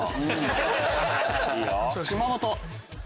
熊本。